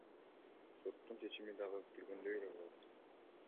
Соттун чечими дагы күтүлгөндөй эле болот.